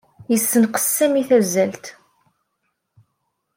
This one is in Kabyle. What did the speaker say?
Yessenqes Sami tazzalt.